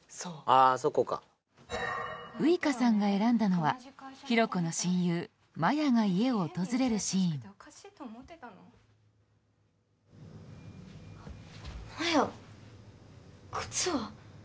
あそこかウイカさんが選んだのは比呂子の親友麻耶が家を訪れるシーン麻耶靴は？